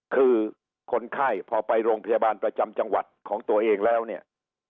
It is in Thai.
คือคนไข้พอไปโรงพยาบาลประจำจังหวัดของตัวเองแล้วเนี่ย